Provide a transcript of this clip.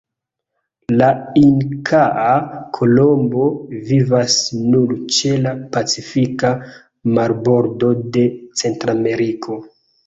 La Inkaa kolombo vivas nur ĉe la Pacifika marbordo de Centrameriko.